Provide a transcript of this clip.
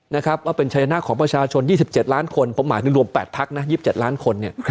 เพื่อเป็นเชนะของประชาชน๒๗ล้านคนผมหมายถึงรวม๘พัก๒๗ล้านคน